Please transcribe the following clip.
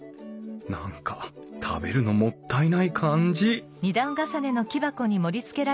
何か食べるのもったいない感じ